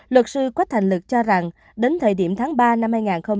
luật sư quách thành lực cho rằng đến thời điểm tháng ba năm hai nghìn hai mươi